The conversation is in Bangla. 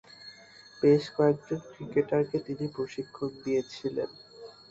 বেশ কয়েকজন ক্রিকেটারকে তিনি প্রশিক্ষণ দিয়েছিলেন।